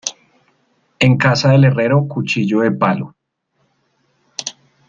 En casa del herrero, cuchillo de palo.